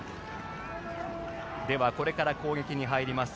では、これから攻撃に入ります